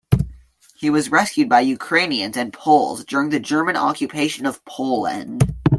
He was rescued by Ukrainians and Poles during the German occupation of Poland.